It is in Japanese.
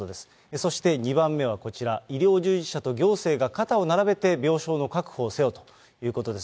そして２番目はこちら、医療従事者と行政が肩を並べて病床の確保をせよということです。